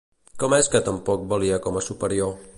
Com és que tampoc valia com a superior?